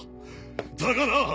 だがな！